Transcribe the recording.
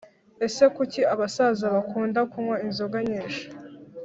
Ese kuki abasaza bakunda kunywa inzoga nyinshi